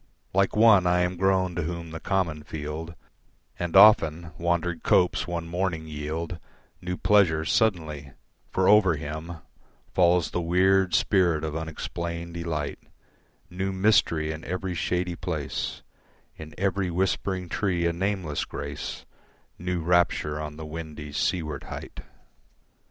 Like one I am grown to whom the common field And often wandered copse one morning yield New pleasures suddenly; for over him Falls the weird spirit of unexplained delight, New mystery in every shady place, In every whispering tree a nameless grace, New rapture on the windy seaward height.